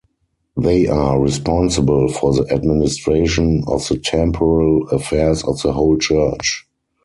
They are responsible for the administration of the temporal affairs of the whole church.